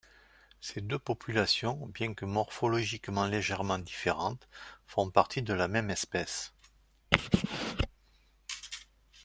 Ces deux populations, bien que morphologiquement légèrement différentes, font partie de la même espèce.